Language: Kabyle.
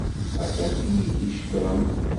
Aṭas iyi-d-icekkren.